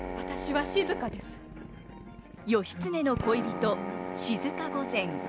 義経の恋人静御前。